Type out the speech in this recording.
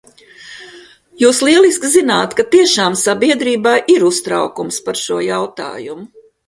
Jūs lieliski zināt, ka tiešām sabiedrībā ir uztraukums par šo jautājumu.